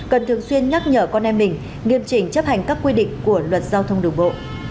cần thường xuyên nhắc nhở con em mình nghiêm trình chấp hành các quy định của luật giao thông đường bộ